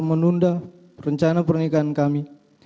menunda rencana pernikahan kami